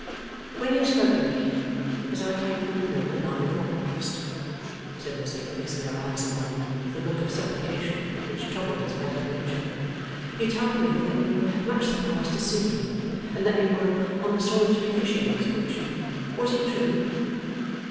'When you spoke to me as I came from the Mill the night before last,' said Lizzie, fixing her eyes upon him with the look of supplication which troubled his better nature, 'you told me that you were much surprised to see me, and that you were on a solitary fishing excursion. Was it true?